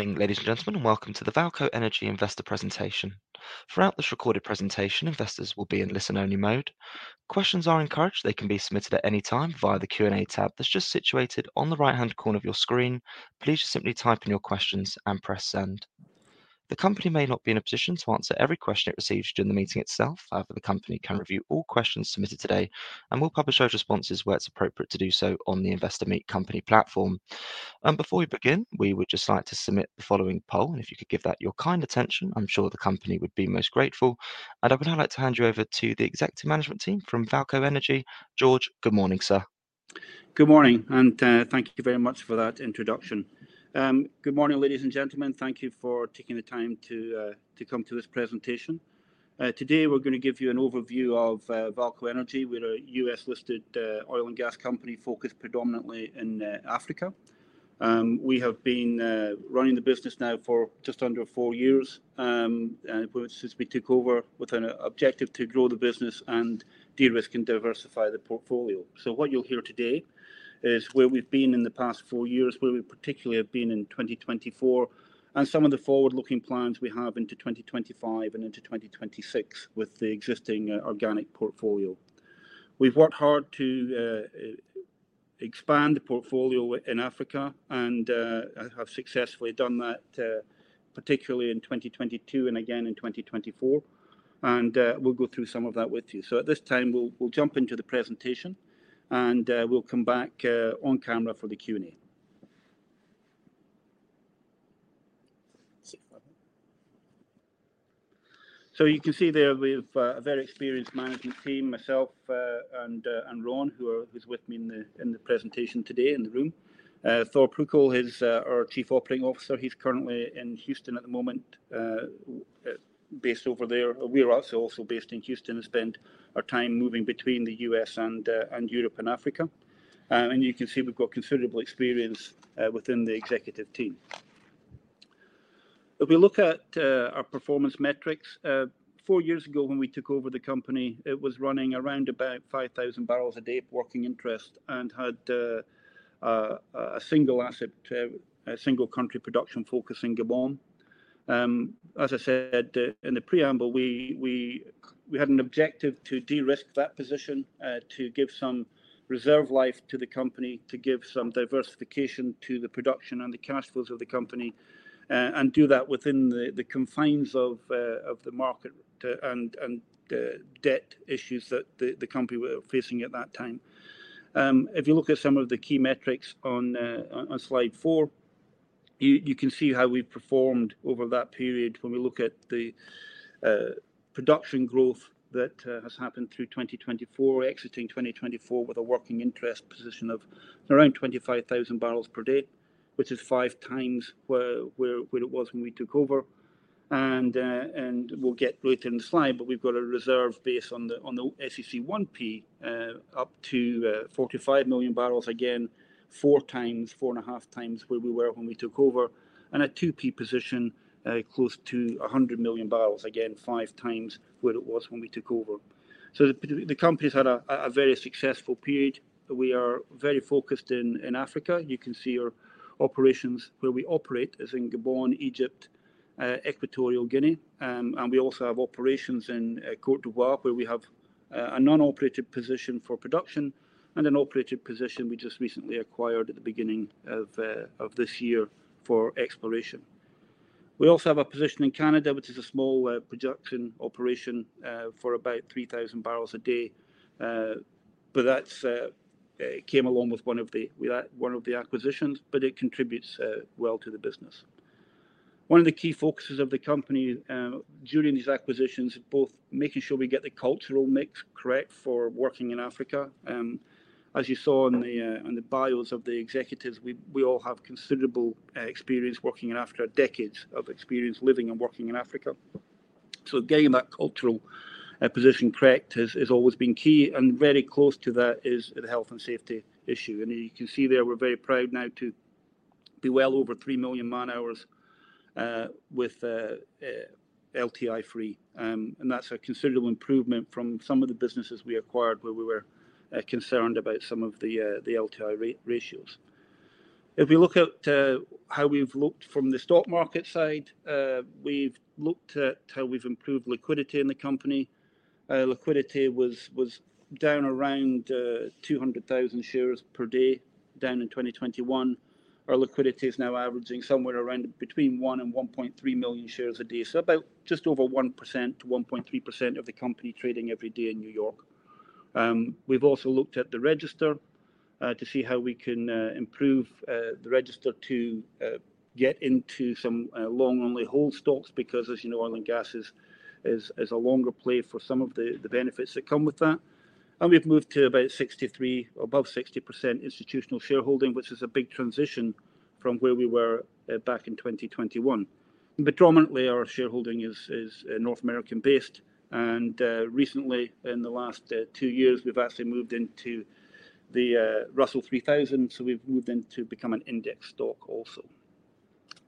Good evening, ladies and gentlemen, and welcome to the VAALCO Energy Al Petrie investor presentation. Throughout this recorded presentation, investors will be in listen-only mode. Questions are encouraged; they can be submitted at any time via the Q&A tab that's just situated on the right-hand corner of your screen. Please just simply type in your questions and press send. The company may not be in a position to answer every question it receives during the meeting itself. However, the company can review all questions submitted today and will publish those responses where it's appropriate to do so on the Investor Meet Company platform. Before we begin, we would just like to submit the following poll, and if you could give that your kind attention, I'm sure the company would be most grateful. I would now like to hand you over to the Executive Management Team from VAALCO Energy. George, good morning, sir. Good morning, and thank you very much for that introduction. Good morning, ladies and gentlemen. Thank you for taking the time to come to this presentation. Today we're going to give you an overview of VAALCO Energy. We're a U.S.-listed oil and gas company focused predominantly in Africa. We have been running the business now for just under four years, and since we took over, with an objective to grow the business and de-risk and diversify the portfolio. What you'll hear today is where we've been in the past four years, where we particularly have been in 2024, and some of the forward-looking plans we have into 2025 and into 2026 with the existing organic portfolio. We've worked hard to expand the portfolio in Africa, and I have successfully done that, particularly in 2022 and again in 2024. We'll go through some of that with you. At this time, we'll jump into the presentation, and we'll come back on camera for the Q&A. You can see there we have a very experienced management team, myself and Ron, who's with me in the presentation today in the room. Thor Prückl is our Chief Operating Officer. He's currently in Houston at the moment, based over there. We're also based in Houston and spend our time moving between the U.S. and Europe and Africa. You can see we've got considerable experience within the executive team. If we look at our performance metrics, four years ago when we took over the company, it was running around about 5,000 bbls a day of working interest and had a single asset, a single country production focus in Gabon. As I said in the preamble, we had an objective to de-risk that position, to give some reserve life to the company, to give some diversification to the production and the cash flows of the company, and do that within the confines of the market and debt issues that the company was facing at that time. If you look at some of the key metrics on slide four, you can see how we've performed over that period when we look at the production growth that has happened through 2024, exiting 2024 with a working interest position of around 25,000 bbls per day, which is five times where it was when we took over. We will get later in the slide, but we've got a reserve base on the SEC 1P up to 45 million bbls, again, 4x, 4.5x, where we were when we took over, and a 2P position close to 100 million bbls, again, 5x where it was when we took over. The company's had a very successful period. We are very focused in Africa. You can see our operations where we operate is in Gabon, Egypt, Equatorial Guinea, and we also have operations in Côte d'Ivoire where we have a non-operated position for production and an operated position we just recently acquired at the beginning of this year for exploration. We also have a position in Canada, which is a small production operation for about 3,000 bbls a day, but that came along with one of the acquisitions, but it contributes well to the business. One of the key focuses of the company during these acquisitions is both making sure we get the cultural mix correct for working in Africa. As you saw in the bios of the executives, we all have considerable experience working in Africa, decades of experience living and working in Africa. Getting that cultural position correct has always been key, and very close to that is the health and safety issue. You can see there we're very proud now to be well over 3 million man-hours with LTI-free, and that's a considerable improvement from some of the businesses we acquired where we were concerned about some of the LTI ratios. If we look at how we've looked from the stock market side, we've looked at how we've improved liquidity in the company. Liquidity was down around 200,000 shares per day down in 2021. Our liquidity is now averaging somewhere around between 1 million and 1.3 million shares a day, so about just over 1%-1.3% of the company trading every day in New York. We've also looked at the register to see how we can improve the register to get into some long-only hold stocks because, as you know, oil and gas is a longer play for some of the benefits that come with that. We've moved to about 63, above 60% institutional shareholding, which is a big transition from where we were back in 2021. Predominantly, our shareholding is North American-based, and recently, in the last two years, we've actually moved into the Russell 3000, so we've moved into becoming an index stock also.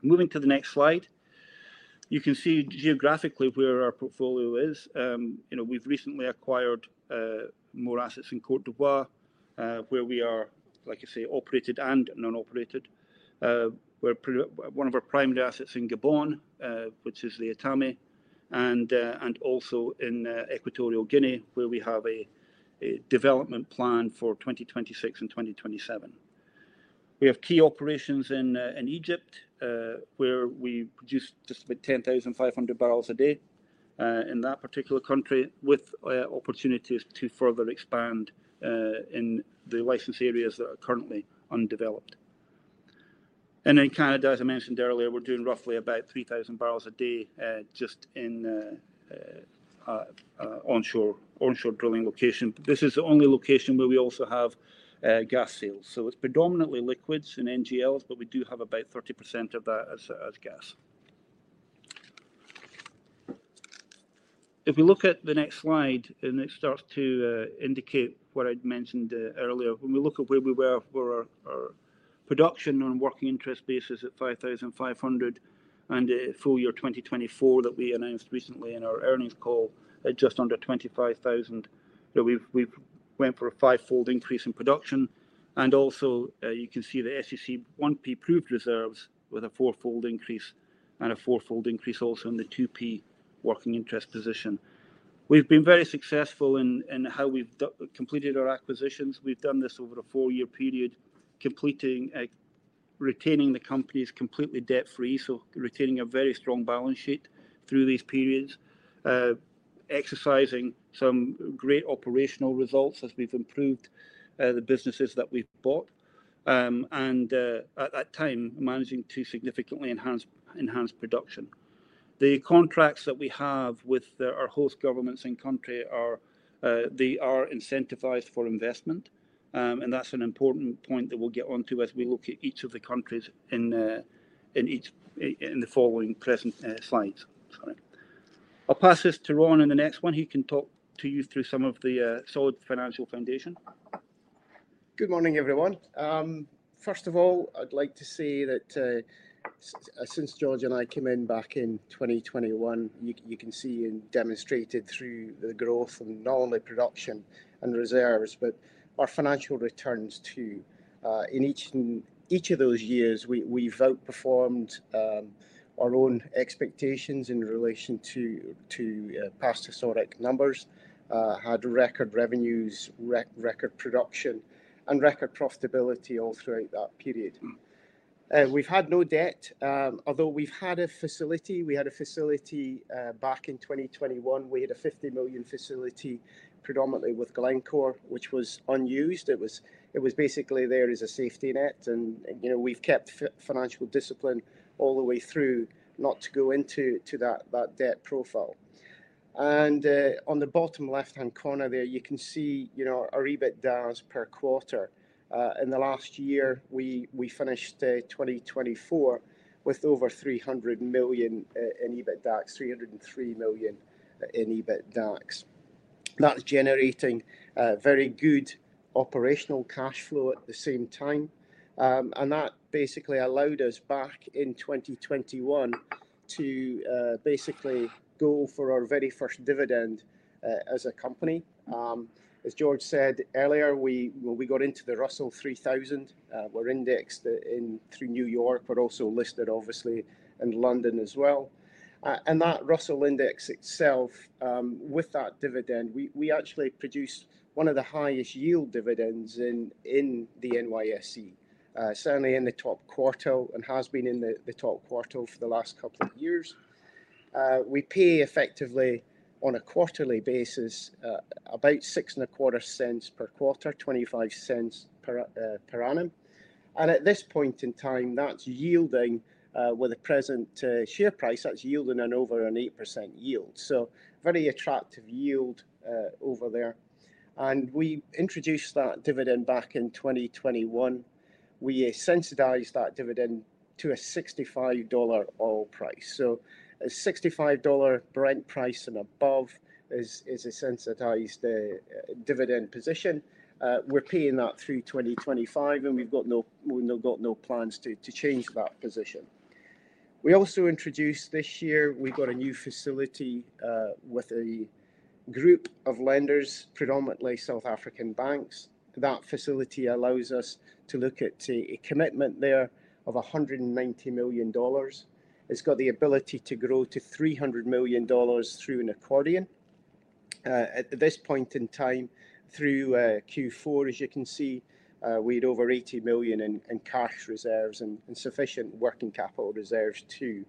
Moving to the next slide, you can see geographically where our portfolio is. We've recently acquired more assets in Côte d'Ivoire where we are, like I say, operated and non-operated. One of our primary assets is in Gabon, which is the Etame, and also in Equatorial Guinea where we have a development plan for 2026 and 2027. We have key operations in Egypt where we produce just about 10,500 bbls a day in that particular country with opportunities to further expand in the licensed areas that are currently undeveloped. In Canada, as I mentioned earlier, we're doing roughly about 3,000 bbls a day just in onshore drilling location. This is the only location where we also have gas sales. It's predominantly liquids and NGLs, but we do have about 30% of that as gas. If we look at the next slide, it starts to indicate what I'd mentioned earlier. When we look at where we were for our production on a working interest basis at 5,500, and the full year 2024 that we announced recently in our earnings call at just under 25,000, we went for a five-fold increase in production. You can also see the SEC 1P proved reserves with a four-fold increase and a four-fold increase also in the 2P working interest position. We've been very successful in how we've completed our acquisitions. We've done this over a four-year period, retaining the company completely debt-free, so retaining a very strong balance sheet through these periods, exercising some great operational results as we've improved the businesses that we've bought, and at that time, managing to significantly enhance production. The contracts that we have with our host governments and country are incentivized for investment, and that's an important point that we'll get onto as we look at each of the countries in the following present slides. I'll pass this to Ron in the next one. He can talk to you through some of the solid financial foundation. Good morning, everyone. First of all, I'd like to say that since George and I came in back in 2021, you can see and demonstrate it through the growth and not only production and reserves, but our financial returns too. In each of those years, we've outperformed our own expectations in relation to past historic numbers, had record revenues, record production, and record profitability all throughout that period. We've had no debt, although we've had a facility. We had a facility back in 2021. We had a $50 million facility predominantly with Glencore, which was unused. It was basically there as a safety net, and we've kept financial discipline all the way through not to go into that debt profile. On the bottom left-hand corner there, you can see our EBITDA per quarter. In the last year, we finished 2024 with over $300 million in EBITDA, $303 million in EBITDA. That's generating very good operational cash flow at the same time. That basically allowed us back in 2021 to basically go for our very first dividend as a company. As George said earlier, we got into the Russell 3000. We're indexed through New York. We're also listed, obviously, in London as well. That Russell index itself, with that dividend, we actually produced one of the highest yield dividends in the NYSE, certainly in the top quarter, and has been in the top quarter for the last couple of years. We pay effectively on a quarterly basis about $0.0625 per quarter, $0.25 per annum. At this point in time, that's yielding with a present share price, that's yielding an over an 8% yield. Very attractive yield over there. We introduced that dividend back in 2021. We incentivized that dividend to a $65 oil price. A $65 Brent price and above is an incentivized dividend position. We're paying that through 2025, and we've got no plans to change that position. We also introduced this year, we've got a new facility with a group of lenders, predominantly South African banks. That facility allows us to look at a commitment there of $190 million. It's got the ability to grow to $300 million through an accordion. At this point in time, through Q4, as you can see, we had over $80 million in cash reserves and sufficient working capital reserves too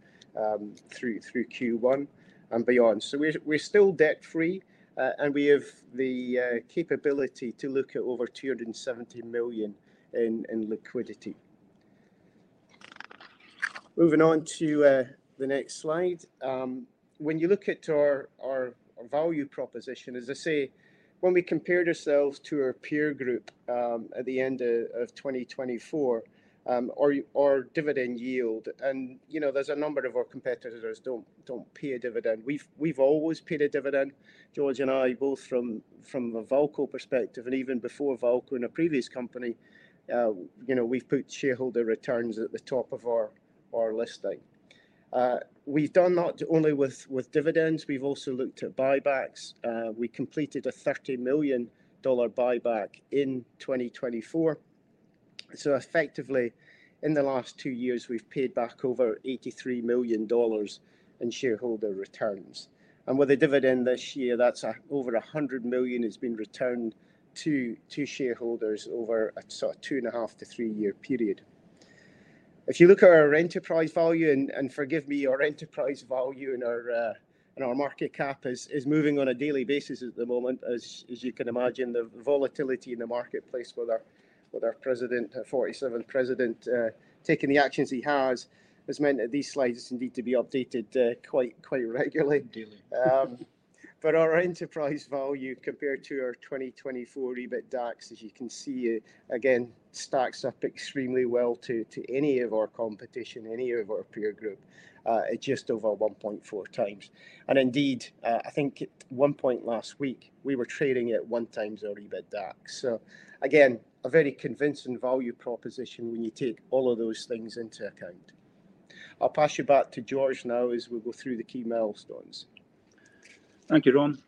through Q1 and beyond. We're still debt-free, and we have the capability to look at over $270 million in liquidity. Moving on to the next slide. When you look at our value proposition, as I say, when we compared ourselves to our peer group at the end of 2024, our dividend yield, and there's a number of our competitors do not pay a dividend. We've always paid a dividend, George and I, both from a VAALCO perspective and even before VAALCO in a previous company, we've put shareholder returns at the top of our listing. We've done that only with dividends. We've also looked at buybacks. We completed a $30 million buyback in 2024. Effectively, in the last two years, we've paid back over $83 million in shareholder returns. With a dividend this year, that's over $100 million has been returned to shareholders over a 2.5 to three-year period. If you look at our enterprise value, and forgive me, our enterprise value and our market cap is moving on a daily basis at the moment, as you can imagine. The volatility in the marketplace with our 47th president taking the actions he has has meant that these slides need to be updated quite regularly. Our enterprise value compared to our 2024 EBITDA, as you can see, again, stacks up extremely well to any of our competition, any of our peer group, at just over 1.4x. Indeed, I think at one point last week, we were trading at one times our EBITDA. A very convincing value proposition when you take all of those things into account. I'll pass you back to George now as we go through the key milestones. Thank you, Ron.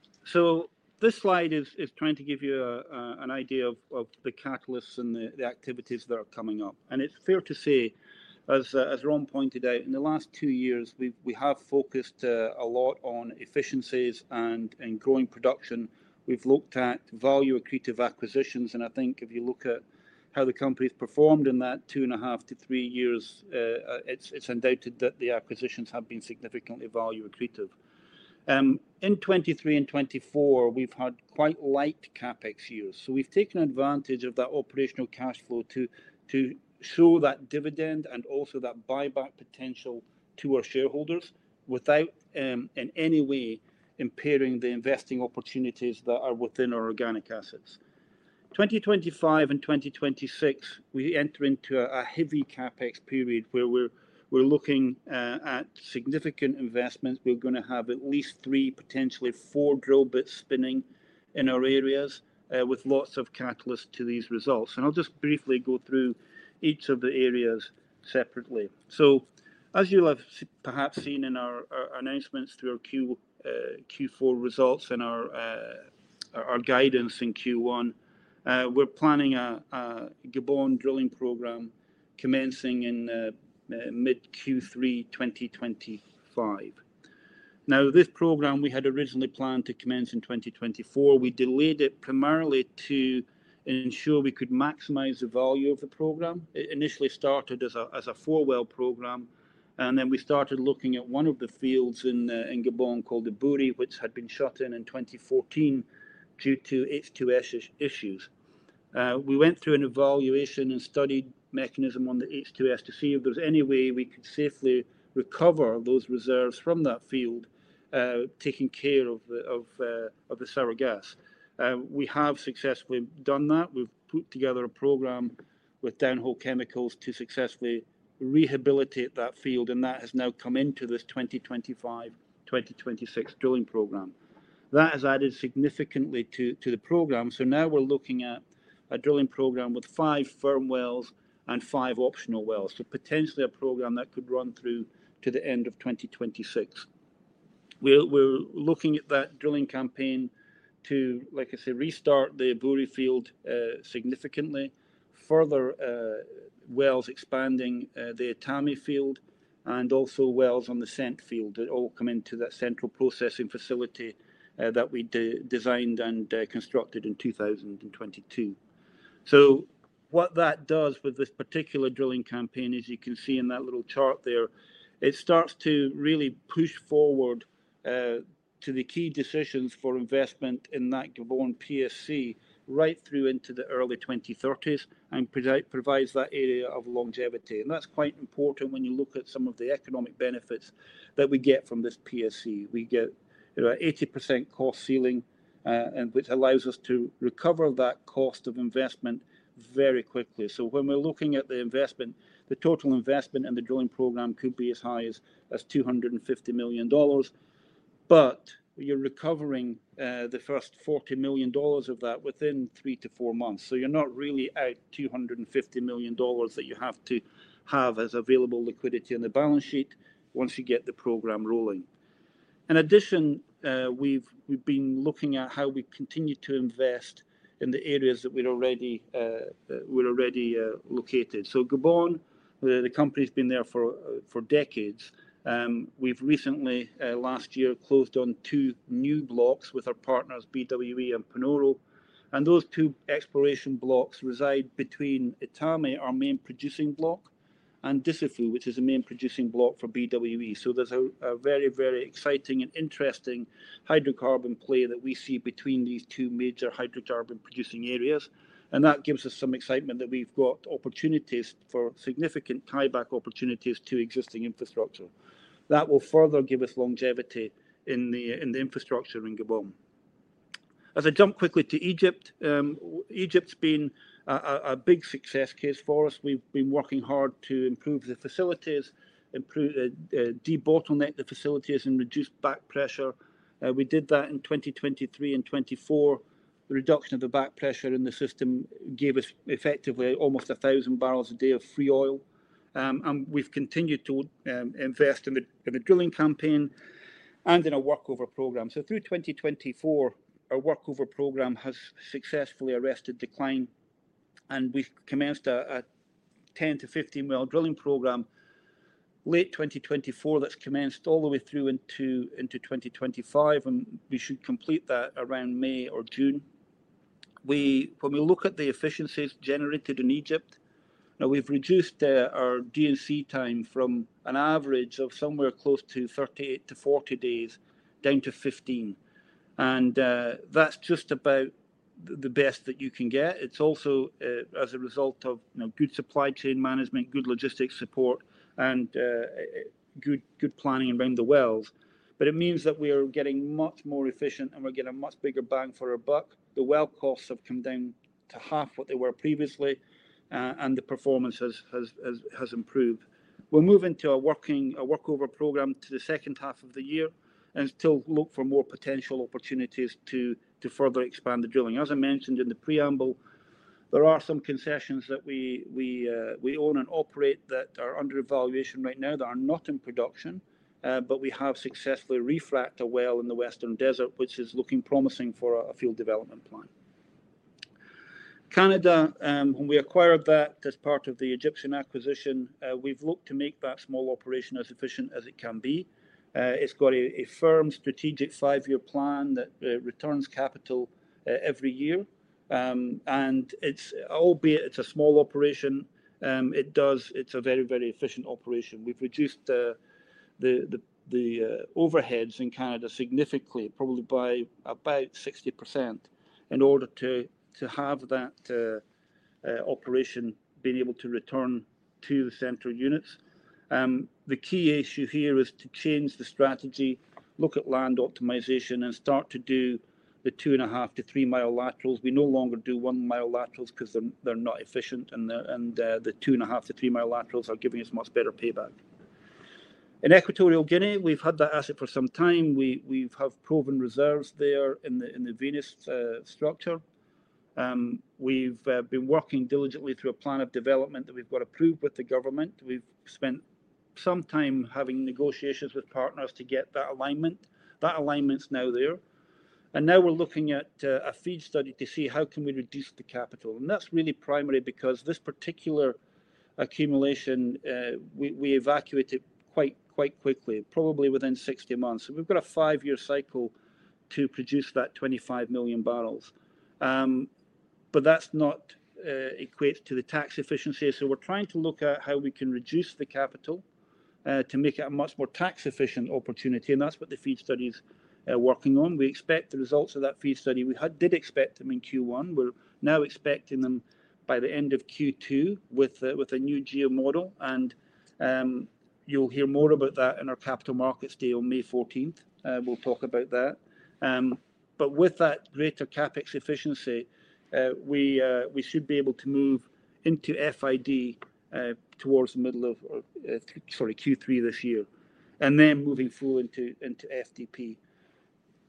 This slide is trying to give you an idea of the catalysts and the activities that are coming up. It is fair to say, as Ron pointed out, in the last two years, we have focused a lot on efficiencies and growing production. We have looked at value-accretive acquisitions, and I think if you look at how the company has performed in that 2.5-3 years, it is undoubted that the acquisitions have been significantly value-accretive. In 2023 and 2024, we have had quite light CapEx years. We have taken advantage of that operational cash flow to show that dividend and also that buyback potential to our shareholders without in any way impairing the investing opportunities that are within our organic assets. In 2025 and 2026, we enter into a heavy CapEx period where we are looking at significant investments. We're going to have at least three, potentially four drill bits spinning in our areas with lots of catalysts to these results. I'll just briefly go through each of the areas separately. As you'll have perhaps seen in our announcements through our Q4 results and our guidance in Q1, we're planning a Gabon drilling program commencing in mid-Q3 2025. This program, we had originally planned to commence in 2024. We delayed it primarily to ensure we could maximize the value of the program. It initially started as a four-well program, and then we started looking at one of the fields in Gabon called the Ebouri, which had been shut in in 2014 due to H2S issues. We went through an evaluation and studied mechanism on the H2S to see if there was any way we could safely recover those reserves from that field, taking care of the sour gas. We have successfully done that. We've put together a program with Dow Chemical to successfully rehabilitate that field, and that has now come into this 2025-2026 drilling program. That has added significantly to the program. Now we're looking at a drilling program with five firm wells and five optional wells, so potentially a program that could run through to the end of 2026. We're looking at that drilling campaign to, like I say, restart the Ebouri field significantly, further wells expanding the Etame field, and also wells on the Sendji field that all come into that central processing facility that we designed and constructed in 2022. What that does with this particular drilling campaign, as you can see in that little chart there, it starts to really push forward to the key decisions for investment in that Gabon PSC right through into the early 2030s and provides that area of longevity. That is quite important when you look at some of the economic benefits that we get from this PSC. We get an 80% cost ceiling, which allows us to recover that cost of investment very quickly. When we are looking at the investment, the total investment in the drilling program could be as high as $250 million. You are recovering the first $40 million of that within three to four months. You are not really at $250 million that you have to have as available liquidity on the balance sheet once you get the program rolling. In addition, we've been looking at how we continue to invest in the areas that we're already located. Gabon, the company's been there for decades. We recently, last year, closed on two new blocks with our partners, BW Energy and Panoro. Those two exploration blocks reside between Etame, our main producing block, and Dussafu, which is a main producing block for BW Energy. There is a very, very exciting and interesting hydrocarbon play that we see between these two major hydrocarbon producing areas. That gives us some excitement that we've got opportunities for significant tieback opportunities to existing infrastructure. That will further give us longevity in the infrastructure in Gabon. As I jump quickly to Egypt, Egypt's been a big success case for us. We've been working hard to improve the facilities, de-bottleneck the facilities, and reduce back pressure. We did that in 2023 and 2024. The reduction of the back pressure in the system gave us effectively almost 1,000 bbls a day of free oil. We have continued to invest in the drilling campaign and in our workover program. Through 2024, our workover program has successfully arrested decline. We have commenced a 10 mi-15 mi drilling program late 2024 that has commenced all the way through into 2025, and we should complete that around May or June. When we look at the efficiencies generated in Egypt, we have reduced our D&C time from an average of somewhere close to 38-40 days down to 15. That is just about the best that you can get. It is also as a result of good supply chain management, good logistics support, and good planning around the wells. It means that we are getting much more efficient, and we are getting a much bigger bang for our buck. The well costs have come down to half what they were previously, and the performance has improved. We're moving to a workover program to the second half of the year and still look for more potential opportunities to further expand the drilling. As I mentioned in the preamble, there are some concessions that we own and operate that are under evaluation right now that are not in production, but we have successfully re-frac a well in the Western Desert, which is looking promising for a field development plan. Canada, when we acquired that as part of the Egyptian acquisition, we've looked to make that small operation as efficient as it can be. It's got a firm, strategic five-year plan that returns capital every year. Albeit it's a small operation, it's a very, very efficient operation. We've reduced the overheads in Canada significantly, probably by about 60%, in order to have that operation being able to return to the central units. The key issue here is to change the strategy, look at land optimization, and start to do the 2.5 mi-3 mi laterals. We no longer do one-mile laterals because they're not efficient, and the 2.5 mi-3 mi laterals are giving us much better payback. In Equatorial Guinea, we've had that asset for some time. We have proven reserves there in the Venus structure. We've been working diligently through a plan of development that we've got approved with the government. We've spent some time having negotiations with partners to get that alignment. That alignment's now there. Now we're looking at a FEED study to see how can we reduce the capital. That is really primary because this particular accumulation, we evacuated quite quickly, probably within 60 months. We have a five-year cycle to produce that 25 million bbls. That does not equate to the tax efficiency. We are trying to look at how we can reduce the capital to make it a much more tax-efficient opportunity. That is what the FEED study is working on. We expect the results of that FEED study. We did expect them in Q1. We are now expecting them by the end of Q2 with a new geomodel. You will hear more about that in our capital markets day on May 14th. We will talk about that. With that greater CapEx efficiency, we should be able to move into FID towards the middle of, sorry, Q3 this year, and then moving forward into FDP.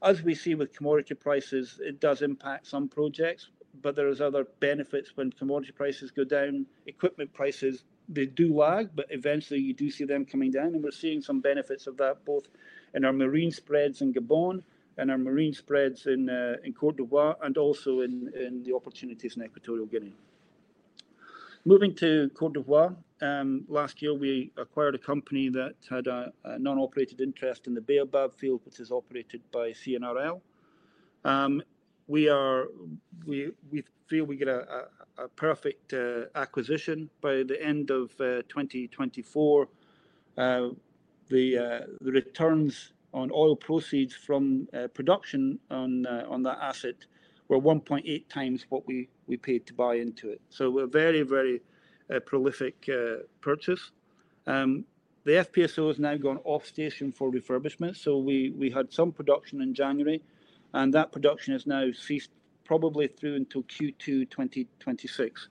As we see with commodity prices, it does impact some projects, but there are other benefits when commodity prices go down. Equipment prices, they do lag, but eventually you do see them coming down. We are seeing some benefits of that both in our marine spreads in Gabon and our marine spreads in Côte d'Ivoire and also in the opportunities in Equatorial Guinea. Moving to Côte d'Ivoire, last year we acquired a company that had a non-operated interest in the Baobab field, which is operated by Canadian Natural Resources Limited. We feel we get a perfect acquisition. By the end of 2024, the returns on oil proceeds from production on that asset were 1.8x what we paid to buy into it. A very, very prolific purchase. The FPSO has now gone off-station for refurbishment. We had some production in January, and that production has now ceased probably through until Q2 2026.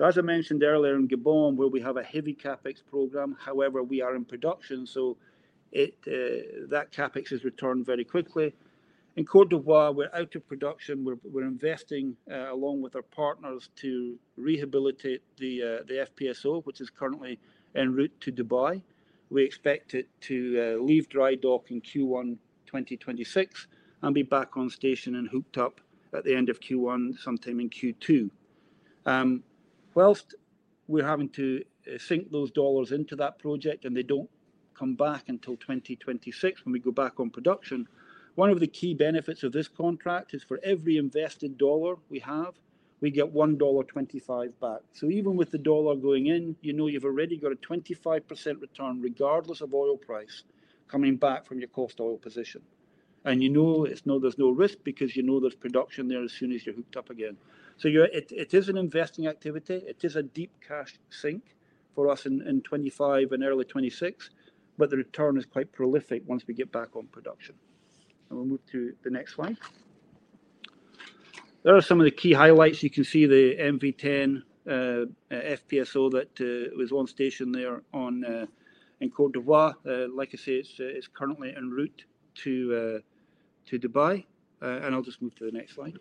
As I mentioned earlier in Gabon, where we have a heavy CapEx program, however, we are in production, so that CapEx has returned very quickly. In Côte d'Ivoire, we're out of production. We're investing along with our partners to rehabilitate the FPSO, which is currently en route to Dubai. We expect it to leave dry dock in Q1 2026 and be back on station and hooked up at the end of Q1, sometime in Q2. Whilst we're having to sink those dollars into that project and they do not come back until 2026 when we go back on production, one of the key benefits of this contract is for every invested dollar we have, we get $1.25 back. Even with the dollar going in, you've already got a 25% return regardless of oil price coming back from your cost oil position. You know there's no risk because you know there's production there as soon as you're hooked up again. It is an investing activity. It is a deep cash sink for us in 2025 and early 2026, but the return is quite prolific once we get back on production. We'll move to the next slide. There are some of the key highlights. You can see the MV10 FPSO that was on station there in Côte d'Ivoire. Like I say, it's currently en route to Dubai. I'll just move to the next slide.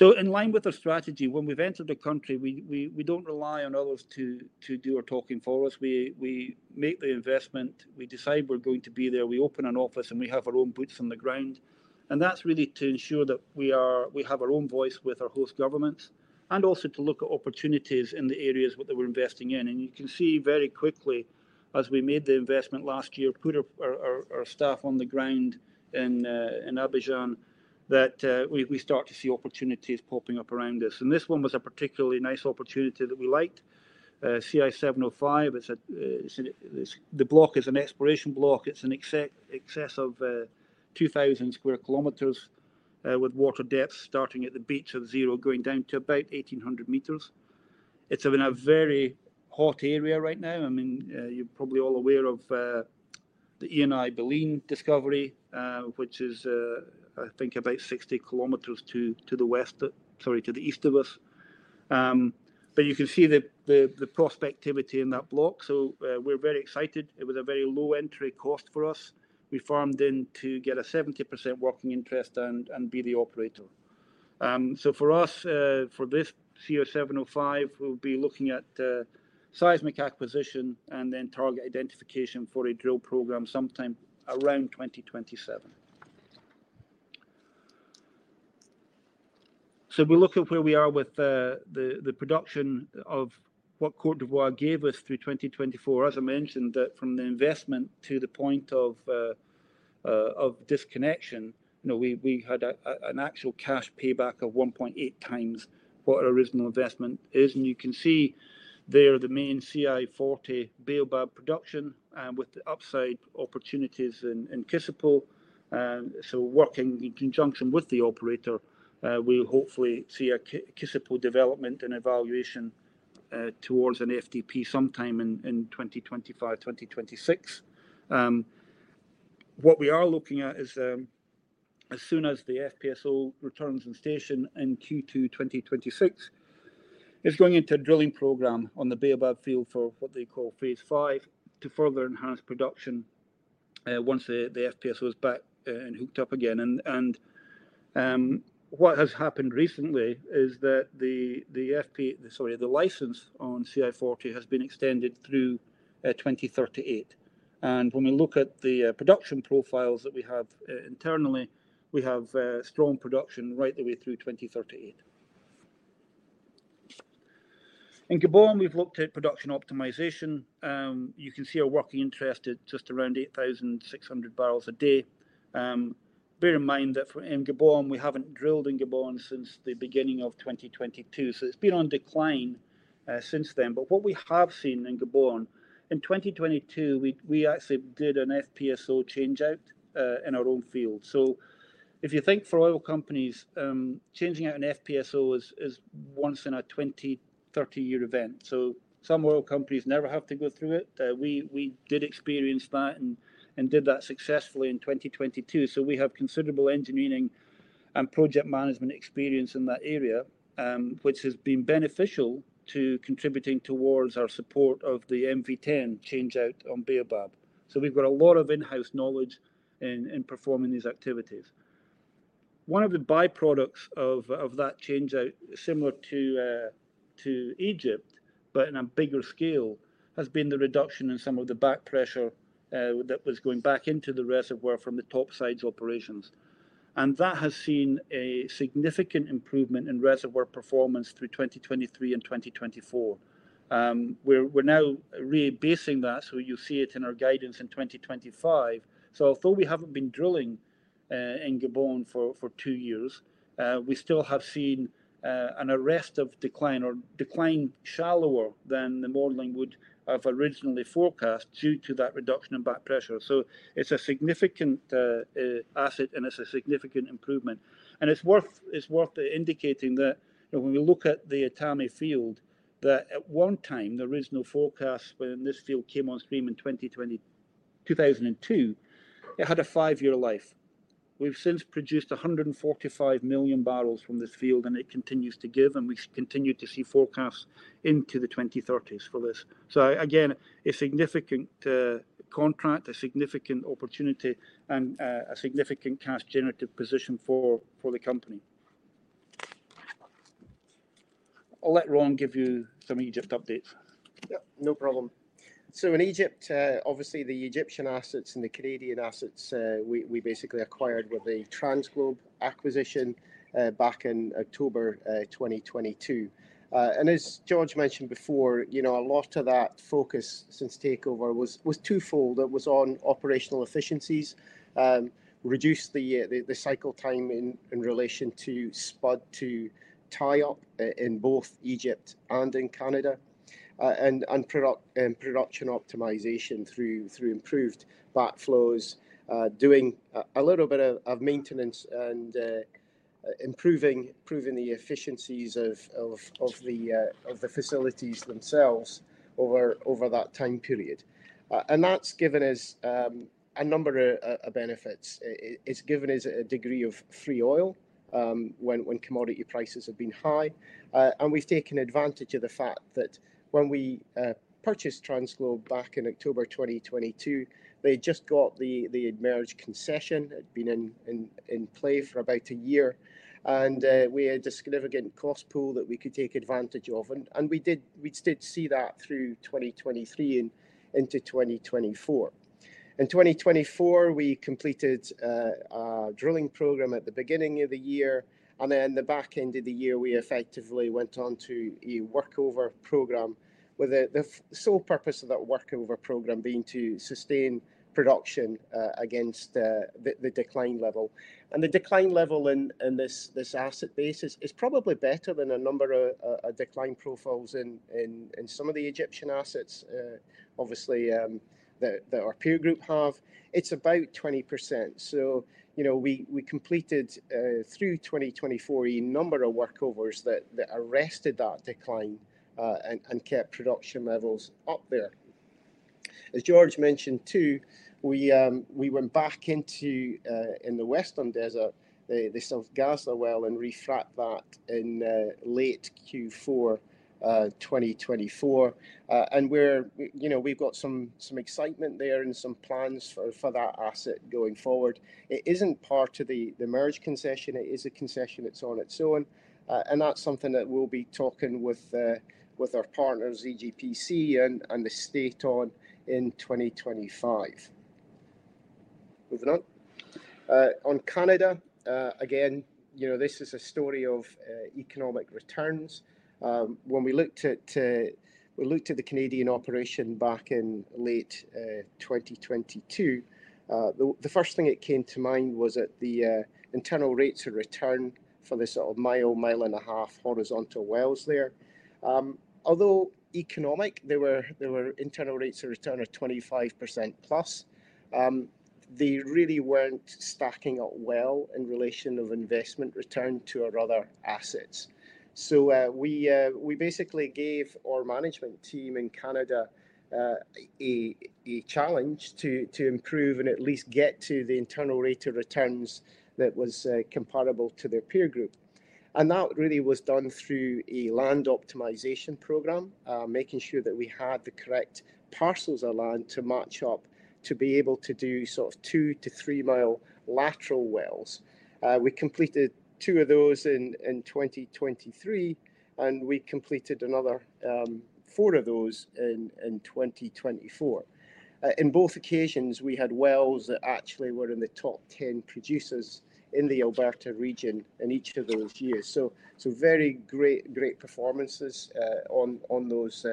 In line with our strategy, when we've entered a country, we don't rely on others to do our talking for us. We make the investment. We decide we are going to be there. We open an office and we have our own boots on the ground. That is really to ensure that we have our own voice with our host governments and also to look at opportunities in the areas that we are investing in. You can see very quickly as we made the investment last year, put our staff on the ground in Abidjan, that we start to see opportunities popping up around us. This one was a particularly nice opportunity that we liked. CI-705, the block, is an exploration block. It is in excess of 2,000 sq km with water depth starting at the beach of zero, going down to about 1,800 m. It is in a very hot area right now. I mean, you're probably all aware of the Eni Baleine discovery, which is, I think, about 60 km to the east of us. You can see the prospectivity in that block. We are very excited. It was a very low entry cost for us. We farmed in to get a 70% working interest and be the operator. For us, for this CI-705, we will be looking at seismic acquisition and then target identification for a drill program sometime around 2027. We look at where we are with the production of what Côte d'Ivoire gave us through 2024. As I mentioned, from the investment to the point of disconnection, we had an actual cash payback of 1.8x what our original investment is. You can see there the main CI-40 Baobab production with the upside opportunities in Kossipo. Working in conjunction with the operator, we'll hopefully see a Kossipo development and evaluation towards an FDP sometime in 2025, 2026. What we are looking at is, as soon as the FPSO returns in station in Q2 2026, it's going into a drilling program on the Baobab field for what they call phase five to further enhance production once the FPSO is back and hooked up again. What has happened recently is that the license on CI-40 has been extended through 2038. When we look at the production profiles that we have internally, we have strong production right the way through 2038. In Gabon, we've looked at production optimization. You can see our working interest is just around 8,600 bbls a day. Bear in mind that in Gabon, we haven't drilled in Gabon since the beginning of 2022. It's been on decline since then. What we have seen in Gabon, in 2022, we actually did an FPSO changeout in our own field. If you think for oil companies, changing out an FPSO is once in a 20-30 year event. Some oil companies never have to go through it. We did experience that and did that successfully in 2022. We have considerable engineering and project management experience in that area, which has been beneficial to contributing towards our support of the MV10 changeout on Baobab. We have a lot of in-house knowledge in performing these activities. One of the byproducts of that changeout, similar to Egypt, but on a bigger scale, has been the reduction in some of the back pressure that was going back into the reservoir from the top sides operations. That has seen a significant improvement in reservoir performance through 2023 and 2024. We're now rebasing that, so you'll see it in our guidance in 2025. Although we haven't been drilling in Gabon for two years, we still have seen an arrest of decline or decline shallower than the modeling would have originally forecast due to that reduction in back pressure. It is a significant asset, and it is a significant improvement. It is worth indicating that when we look at the Etame field, at one time, there was no forecast when this field came on stream in 2002, it had a five-year life. We've since produced 145 million bbls from this field, and it continues to give, and we continue to see forecasts into the 2030s for this. A significant contract, a significant opportunity, and a significant cash-generative position for the company. I'll let Ron give you some Egypt updates. Yeah, no problem. In Egypt, obviously, the Egyptian assets and the Canadian assets, we basically acquired with the TransGlobe acquisition back in October 2022. As George mentioned before, a lot of that focus since takeover was twofold. It was on operational efficiencies, reduce the cycle time in relation to spud to tie up in both Egypt and in Canada, and production optimization through improved backflows, doing a little bit of maintenance and improving the efficiencies of the facilities themselves over that time period. That has given us a number of benefits. It has given us a degree of free oil when commodity prices have been high. We have taken advantage of the fact that when we purchased TransGlobe back in October 2022, they had just got the Merged Concession. It had been in play for about a year, and we had a significant cost pool that we could take advantage of. We did see that through 2023 and into 2024. In 2024, we completed a drilling program at the beginning of the year. The back end of the year, we effectively went on to a workover program, with the sole purpose of that workover program being to sustain production against the decline level. The decline level in this asset base is probably better than a number of decline profiles in some of the Egyptian assets, obviously, that our peer group have. It's about 20%. We completed through 2024 a number of workovers that arrested that decline and kept production levels up there. As George mentioned too, we went back into the Western Desert, the South Ghazalat and re-frac'd that in late Q4 2024. We've got some excitement there and some plans for that asset going forward. It isn't part of the Merged Concession. It is a concession that's on its own. That's something that we'll be talking with our partners, EGPC and the state on in 2025. Moving on. On Canada, again, this is a story of economic returns. When we looked at the Canadian operation back in late 2022, the first thing that came to mind was that the internal rates of return for this sort of mile, mile and a half horizontal wells there, although economic, there were internal rates of return of 25%+, they really weren't stacking up well in relation of investment return to our other assets. We basically gave our management team in Canada a challenge to improve and at least get to the internal rate of returns that was comparable to their peer group. That really was done through a land optimization program, making sure that we had the correct parcels of land to match up to be able to do sort of 2 mi to 3 mi lateral wells. We completed two of those in 2023, and we completed another four of those in 2024. In both occasions, we had wells that actually were in the top 10 producers in the Alberta region in each of those years. Very great performances on those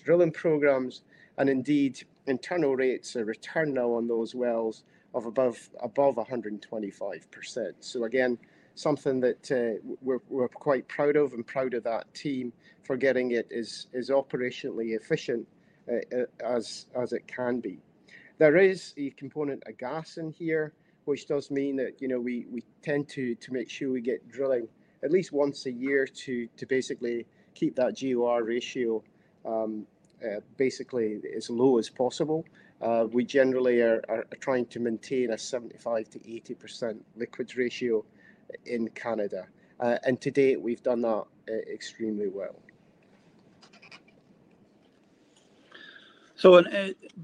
drilling programs. Indeed, internal rates of return now on those wells of above 125%. Again, something that we're quite proud of and proud of that team for getting it as operationally efficient as it can be. There is a component of gas in here, which does mean that we tend to make sure we get drilling at least once a year to basically keep that GOR ratio basically as low as possible. We generally are trying to maintain a 75%-80% liquids ratio in Canada. To date, we've done that extremely well.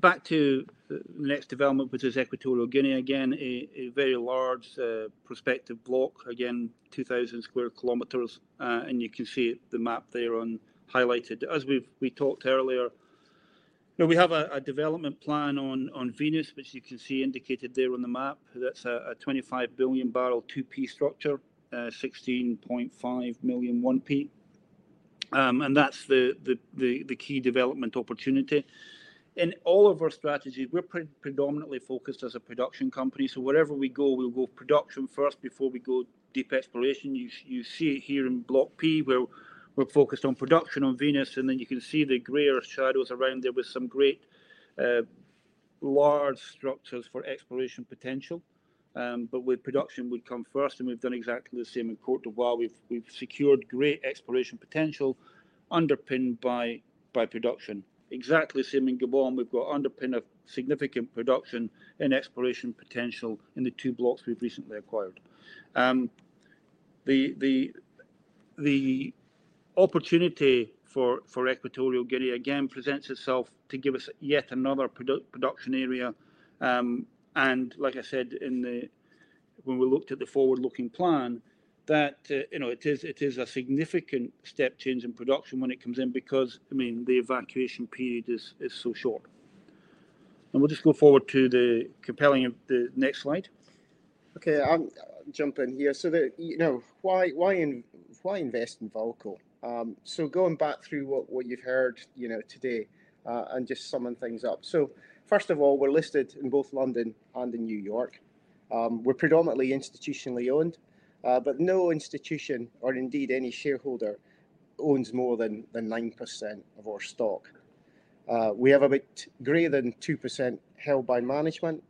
Back to the next development, which is Equatorial Guinea. Again, a very large prospective block, again, 2,000 sq km. You can see the map there highlighted. As we talked earlier, we have a development plan on Venus, which you can see indicated there on the map. That's a 25 billion bbls 2P structure, 16.5 million 1P. That's the key development opportunity. In all of our strategies, we're predominantly focused as a production company. Wherever we go, we'll go production first before we go deep exploration. You see it here in Block P, where we're focused on production on Venus. You can see the grayish shadows around there with some great large structures for exploration potential. Where production would come first, and we've done exactly the same in Côte d'Ivoire. We've secured great exploration potential underpinned by production. Exactly the same in Gabon. We've got underpin of significant production and exploration potential in the two blocks we've recently acquired. The opportunity for Equatorial Guinea, again, presents itself to give us yet another production area. Like I said, when we looked at the forward-looking plan, it is a significant step change in production when it comes in because, I mean, the evacuation period is so short. We'll just go forward to the compelling of the next slide. Okay, I'll jump in here. Why invest in VAALCO? Going back through what you've heard today and just summing things up. First of all, we're listed in both London and in New York. We're predominantly institutionally owned, but no institution or indeed any shareholder owns more than 9% of our stock. We have a bit greater than 2% held by management.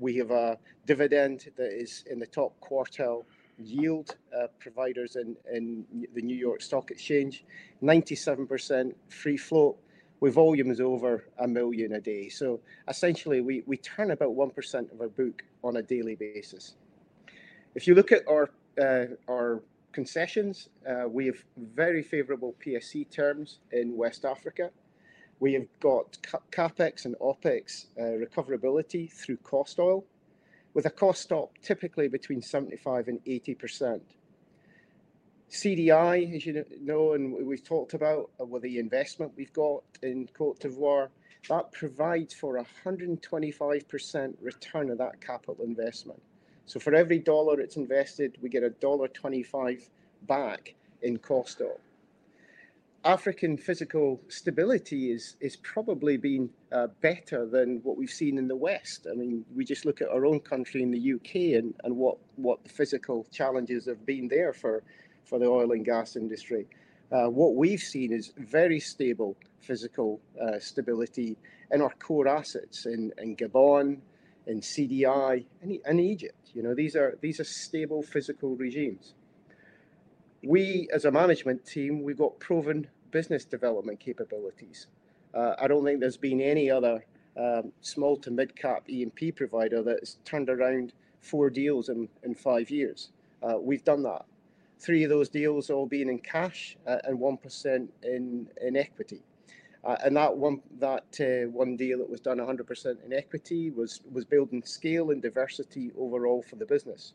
We have a dividend that is in the top quartile yield providers in the New York Stock Exchange, 97% free float with volumes over a million a day. Essentially, we turn about 1% of our book on a daily basis. If you look at our concessions, we have very favorable PSC terms in West Africa. We have got CapEx and OpEx recoverability through cost oil, with a cost stop typically between 75%-80%. CDI, as you know, and we've talked about with the investment we've got in Côte d'Ivoire, that provides for a 125% return of that capital investment. For every dollar it's invested, we get a $1.25 back in cost up. African physical stability has probably been better than what we've seen in the West. I mean, we just look at our own country in the U.K. and what the physical challenges have been there for the oil and gas industry. What we've seen is very stable physical stability in our core assets in Gabon, in CDI, and Egypt. These are stable physical regimes. We, as a management team, we've got proven business development capabilities. I don't think there's been any other small to mid-cap E&P provider that's turned around four deals in five years. We've done that. Three of those deals all being in cash and 1% in equity. That one deal that was done 100% in equity was building scale and diversity overall for the business.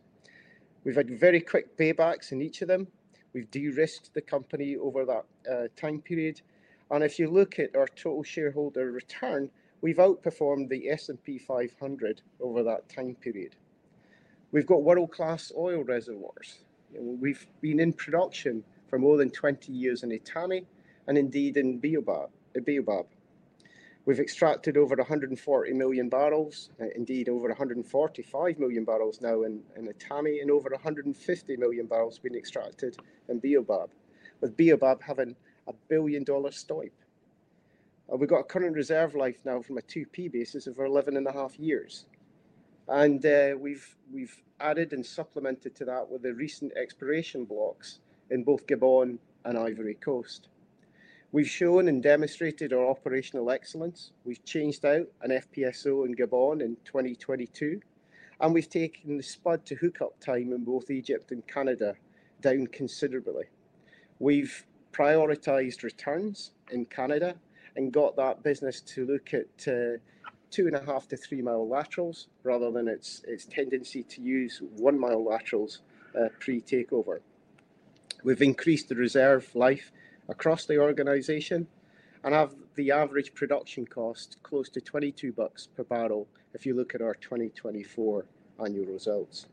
We've had very quick paybacks in each of them. We've de-risked the company over that time period. If you look at our total shareholder return, we've outperformed the S&P 500 over that time period. We've got world-class oil reservoirs. We've been in production for more than 20 years in Etame and indeed in Baobab. We've extracted over 140 million bbls, indeed over 145 million bbls now in Etame, and over 150 million barrels being extracted in Baobab, with Baobab having $1 billion STOIIP. We've got a current reserve life now from a 2P basis of 11.5 years. We've added and supplemented to that with the recent exploration blocks in both Gabon and Côte d'Ivoire. We've shown and demonstrated our operational excellence. We've changed out an FPSO in Gabon in 2022, and we've taken the SPUD to hookup time in both Egypt and Canada down considerably. We've prioritized returns in Canada and got that business to look at two and a half to three-mile laterals rather than its tendency to use 1 mi laterals pre-takeover. We've increased the reserve life across the organization and have the average production cost close to $22 per barrel if you look at our 2024 annual results.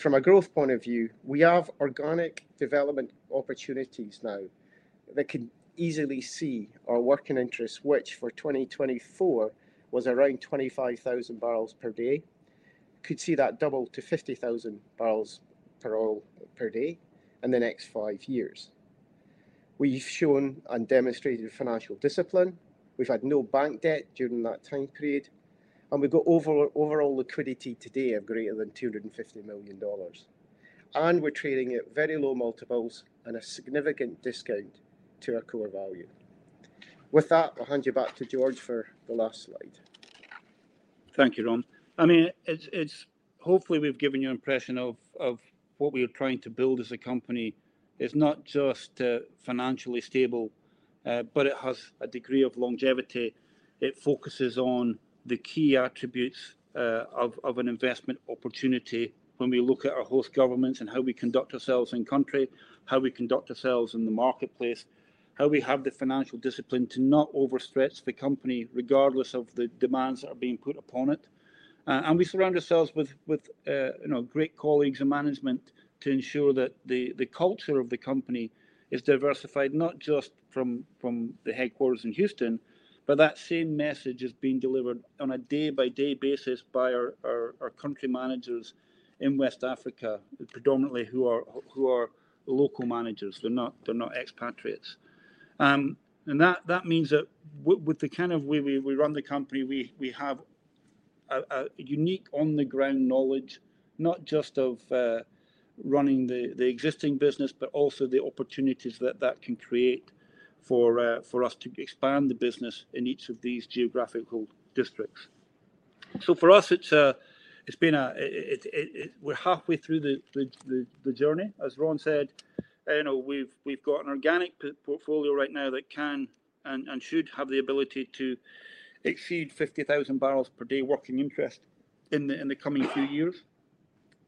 From a growth point of view, we have organic development opportunities now that can easily see our working interest, which for 2024 was around 25,000 barrels per day. Could see that double to 50,000 bbl per day in the next five years. We've shown and demonstrated financial discipline. We've had no bank debt during that time period, and we've got overall liquidity today of greater than $250 million. We're trading at very low multiples and a significant discount to our core value. With that, I'll hand you back to George for the last slide. Thank you, Ron. I mean, hopefully, we've given you an impression of what we are trying to build as a company. It's not just financially stable, but it has a degree of longevity. It focuses on the key attributes of an investment opportunity when we look at our host governments and how we conduct ourselves in country, how we conduct ourselves in the marketplace, how we have the financial discipline to not overstretch the company regardless of the demands that are being put upon it. We surround ourselves with great colleagues and management to ensure that the culture of the company is diversified, not just from the headquarters in Houston, but that same message is being delivered on a day-by-day basis by our country managers in West Africa, predominantly who are local managers. They're not expatriates. That means that with the kind of way we run the company, we have a unique on-the-ground knowledge, not just of running the existing business, but also the opportunities that that can create for us to expand the business in each of these geographical districts. For us, it's been a we're halfway through the journey. As Ron said, we've got an organic portfolio right now that can and should have the ability to exceed 50,000 bbls per day working interest in the coming few years.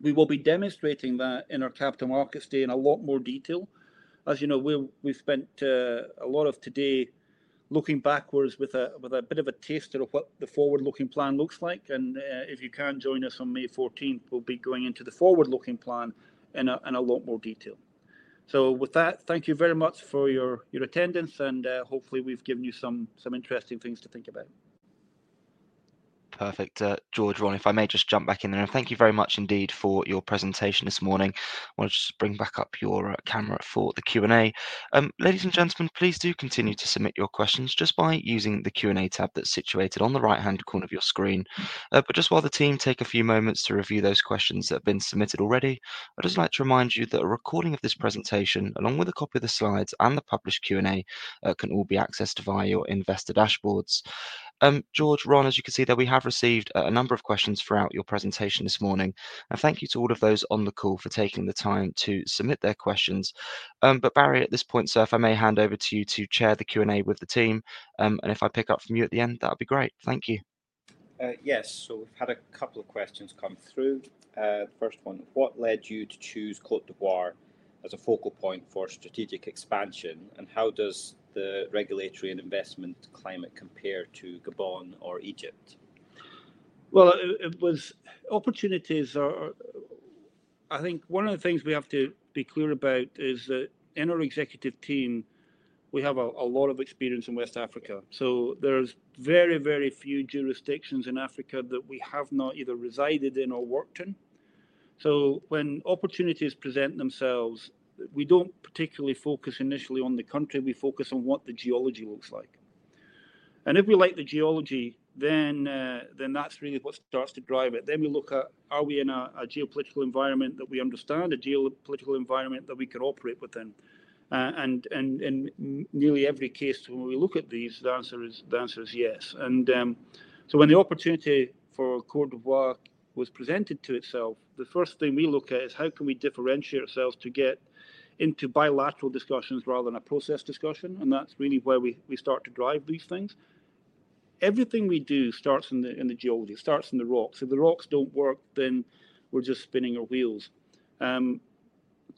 We will be demonstrating that in our capital markets day in a lot more detail. As you know, we've spent a lot of today looking backwards with a bit of a taster of what the forward-looking plan looks like. If you can join us on May 14th, we'll be going into the forward-looking plan in a lot more detail. With that, thank you very much for your attendance, and hopefully, we've given you some interesting things to think about. Perfect. George, Ron, if I may just jump back in there, and thank you very much indeed for your presentation this morning. I want to just bring back up your camera for the Q&A. Ladies and gentlemen, please do continue to submit your questions just by using the Q&A tab that's situated on the right-hand corner of your screen. While the team take a few moments to review those questions that have been submitted already, I'd just like to remind you that a recording of this presentation, along with a copy of the slides and the published Q&A, can all be accessed via your investor dashboards. George, Ron, as you can see there, we have received a number of questions throughout your presentation this morning. Thank you to all of those on the call for taking the time to submit their questions. Barry, at this point, sir, if I may hand over to you to chair the Q&A with the team. If I pick up from you at the end, that would be great. Thank you. Yes. We've had a couple of questions come through. First one, what led you to choose Côte d'Ivoire as a focal point for strategic expansion? How does the regulatory and investment climate compare to Gabon or Egypt? Opportunities are, I think one of the things we have to be clear about is that in our executive team, we have a lot of experience in West Africa. There are very, very few jurisdictions in Africa that we have not either resided in or worked in. When opportunities present themselves, we do not particularly focus initially on the country. We focus on what the geology looks like. If we like the geology, that is really what starts to drive it. We look at, are we in a geopolitical environment that we understand, a geopolitical environment that we could operate within? In nearly every case, when we look at these, the answer is yes. When the opportunity for Côte d'Ivoire was presented to itself, the first thing we look at is how can we differentiate ourselves to get into bilateral discussions rather than a process discussion. That is really where we start to drive these things. Everything we do starts in the geology, starts in the rocks. If the rocks do not work, then we are just spinning our wheels.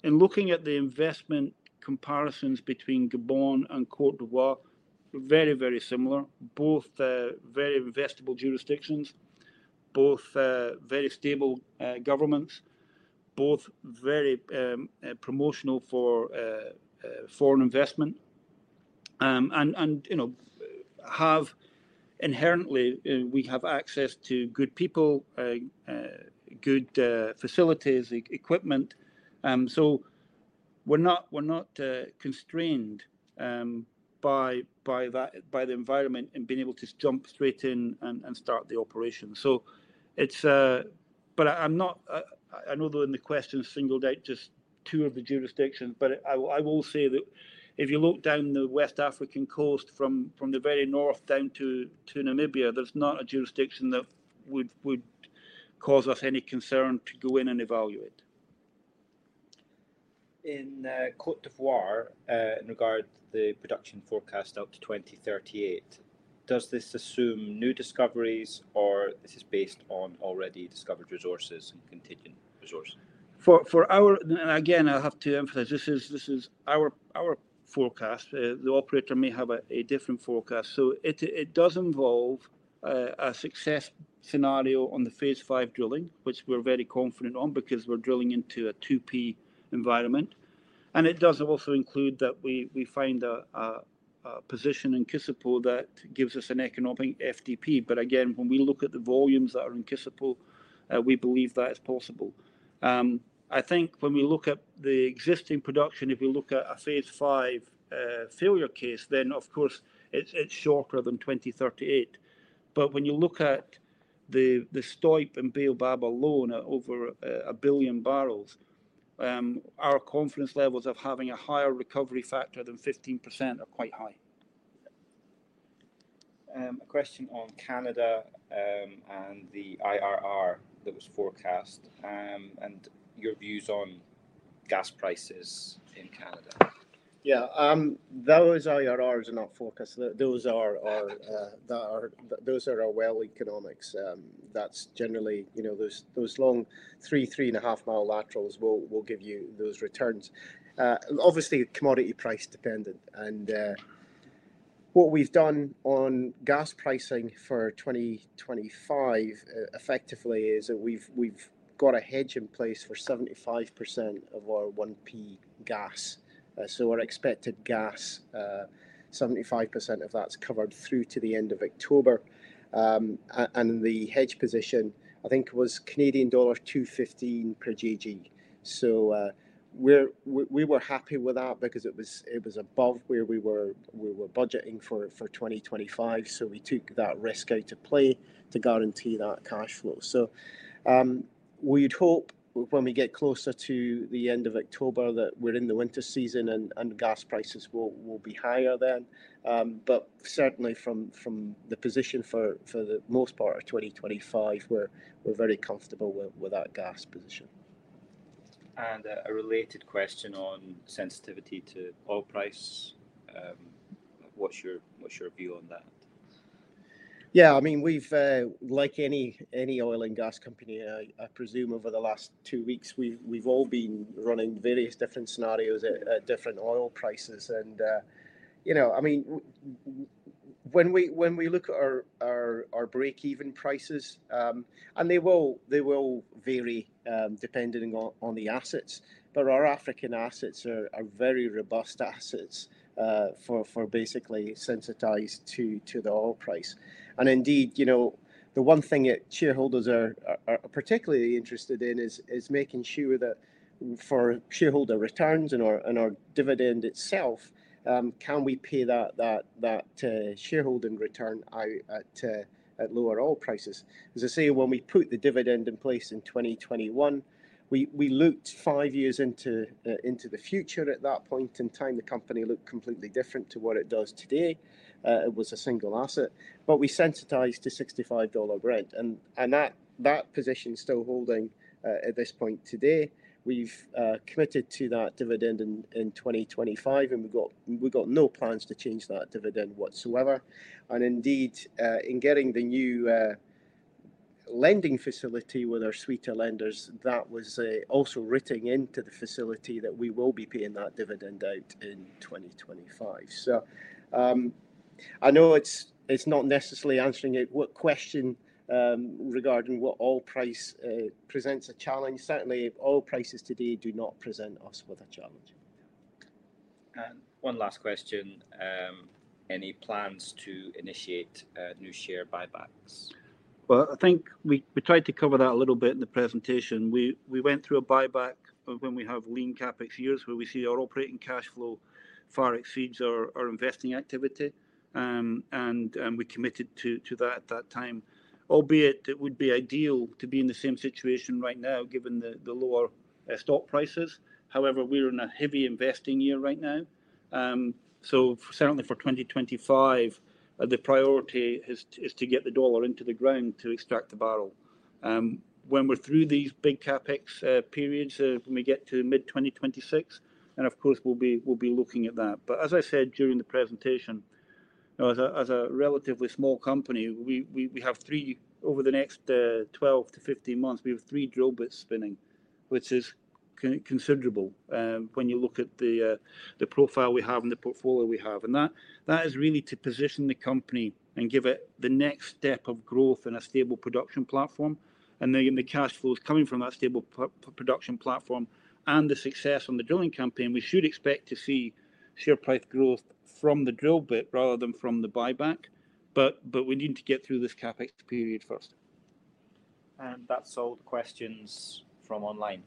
Looking at the investment comparisons between Gabon and Côte d'Ivoire, very, very similar. Both very investable jurisdictions, both very stable governments, both very promotional for foreign investment. Inherently, we have access to good people, good facilities, equipment. We are not constrained by the environment and being able to jump straight in and start the operation. I know that when the question singled out just two of the jurisdictions, but I will say that if you look down the West African coast from the very north down to Namibia, there is not a jurisdiction that would cause us any concern to go in and evaluate. In Côte d'Ivoire, in regard to the production forecast out to 2038, does this assume new discoveries or this is based on already discovered resources and contingent resources? Again, I have to emphasize, this is our forecast. The operator may have a different forecast. It does involve a success scenario on the phase five drilling, which we are very confident on because we are drilling into a 2P environment. It does also include that we find a position in Kossipo that gives us an economic FDP. When we look at the volumes that are in Kossipo, we believe that it's possible. I think when we look at the existing production, if we look at a phase five failure case, of course, it's sharper than 2038. When you look at the STOIIP and Baobab alone, over 1 billion bbls, our confidence levels of having a higher recovery factor than 15% are quite high. A question on Canada and the IRR that was forecast and your views on gas prices in Canada. Yeah, those IRRs are not forecast. Those are our well economics. That's generally those long 3 mi, 3.5 mi laterals will give you those returns. Obviously, commodity price dependent. What we've done on gas pricing for 2025 effectively is that we've got a hedge in place for 75% of our 1P gas. Our expected gas, 75% of that's covered through to the end of October. The hedge position, I think, was Canadian dollar 215 per GJ. We were happy with that because it was above where we were budgeting for 2025. We took that risk out of play to guarantee that cash flow. We'd hope when we get closer to the end of October that we're in the winter season and gas prices will be higher then. Certainly, from the position for the most part of 2025, we're very comfortable with that gas position. A related question on sensitivity to oil price. What's your view on that? Yeah, I mean, like any oil and gas company, I presume over the last two weeks, we've all been running various different scenarios at different oil prices. mean, when we look at our break-even prices, and they will vary depending on the assets, but our African assets are very robust assets for basically sensitized to the oil price. Indeed, the one thing that shareholders are particularly interested in is making sure that for shareholder returns and our dividend itself, can we pay that shareholding return out at lower oil prices. As I say, when we put the dividend in place in 2021, we looked five years into the future. At that point in time, the company looked completely different to what it does today. It was a single asset, but we sensitized to $65 Brent. That position is still holding at this point today. We've committed to that dividend in 2025, and we've got no plans to change that dividend whatsoever. Indeed, in getting the new lending facility with our suite of lenders, that was also written into the facility that we will be paying that dividend out in 2025. I know it's not necessarily answering what question regarding what oil price presents a challenge. Certainly, oil prices today do not present us with a challenge. One last question. Any plans to initiate new share buybacks? I think we tried to cover that a little bit in the presentation. We went through a buyback when we have lean CapEx years where we see our operating cash flow far exceeds our investing activity. We committed to that at that time, albeit it would be ideal to be in the same situation right now given the lower stock prices. However, we're in a heavy investing year right now. Certainly for 2025, the priority is to get the dollar into the ground to extract the barrel. When we are through these big CapEx periods, when we get to mid-2026, of course, we will be looking at that. As I said during the presentation, as a relatively small company, we have three over the next 12-15 months, we have three drill bits spinning, which is considerable when you look at the profile we have and the portfolio we have. That is really to position the company and give it the next step of growth and a stable production platform. The cash flows coming from that stable production platform and the success on the drilling campaign, we should expect to see share price growth from the drill bit rather than from the buyback. We need to get through this CapEx period first. That is all the questions from online.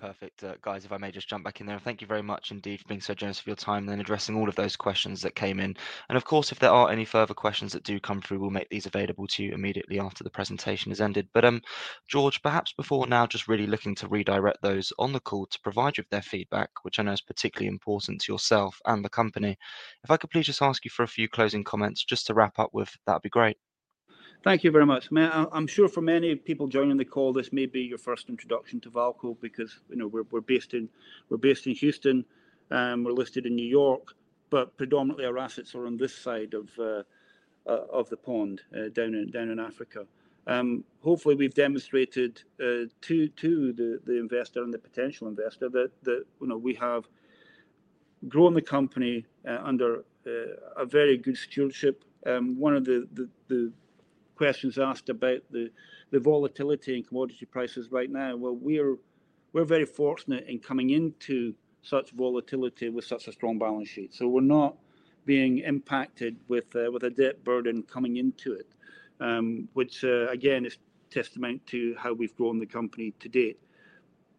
Perfect. Guys, if I may just jump back in there, thank you very much indeed for being so generous with your time and addressing all of those questions that came in. Of course, if there are any further questions that do come through, we will make these available to you immediately after the presentation has ended. George, perhaps before now, just really looking to redirect those on the call to provide you with their feedback, which I know is particularly important to yourself and the company. If I could please just ask you for a few closing comments just to wrap up with, that would be great. Thank you very much. I mean, I am sure for many people joining the call, this may be your first introduction to VAALCO because we are based in Houston. We're listed in New York, but predominantly our assets are on this side of the pond down in Africa. Hopefully, we've demonstrated to the investor and the potential investor that we have grown the company under a very good stewardship. One of the questions asked about the volatility in commodity prices right now, we're very fortunate in coming into such volatility with such a strong balance sheet. We're not being impacted with a debt burden coming into it, which again is a testament to how we've grown the company to date.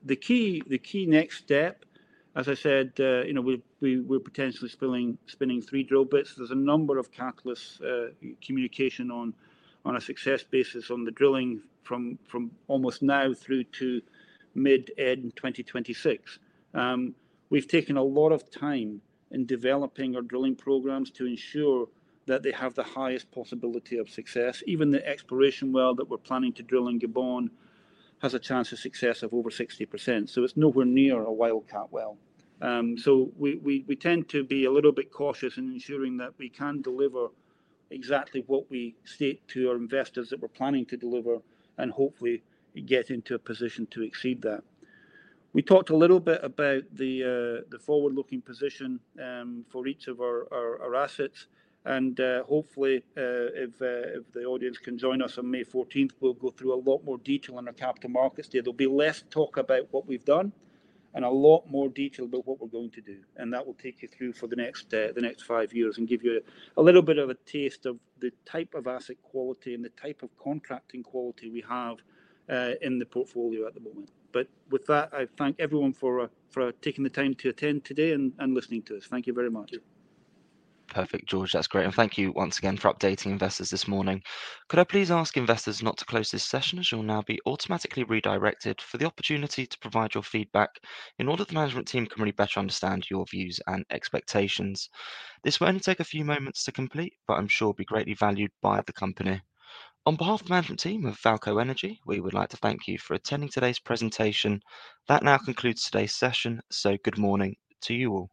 The key next step, as I said, we're potentially spinning three drill bits. There's a number of catalyst communication on a success basis on the drilling from almost now through to mid-end 2026. We've taken a lot of time in developing our drilling programs to ensure that they have the highest possibility of success. Even the exploration well that we're planning to drill in Gabon has a chance of success of over 60%. It is nowhere near a wildcat well. We tend to be a little bit cautious in ensuring that we can deliver exactly what we state to our investors that we're planning to deliver and hopefully get into a position to exceed that. We talked a little bit about the forward-looking position for each of our assets. Hopefully, if the audience can join us on May 14th, we'll go through a lot more detail on our Capital Markets Day. There will be less talk about what we've done and a lot more detail about what we're going to do. That will take you through for the next five years and give you a little bit of a taste of the type of asset quality and the type of contracting quality we have in the portfolio at the moment. With that, I thank everyone for taking the time to attend today and listening to us. Thank you very much. Perfect, George. That's great. Thank you once again for updating investors this morning. Could I please ask investors not to close this session as you'll now be automatically redirected for the opportunity to provide your feedback in order for the management team to really better understand your views and expectations? This will not take more than a few moments to complete, but I'm sure it will be greatly valued by the company. On behalf of the management team of VAALCO Energy, we would like to thank you for attending today's presentation. That now concludes today's session. Good morning to you all.